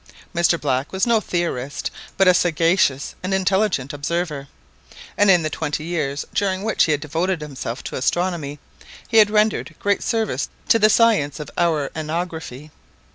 Mr Black was no theorist, but a sagacious and intelligent observer; and in the twenty years during which he had devoted himself to astronomy, he had rendered great services to the science of ouranography.